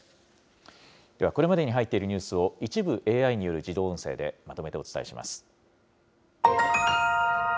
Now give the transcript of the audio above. では、これまでに入っているニュースを、一部ＡＩによる自動音声でまとめてお伝えします。